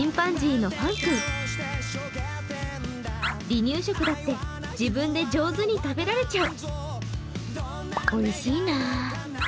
離乳食だって自分で上手に食べられちゃう。